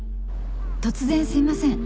突然すいません。